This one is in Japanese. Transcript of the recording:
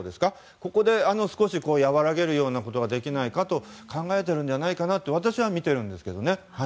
ここで和らげるようなことができないかと考えていると私はみているんですけどね。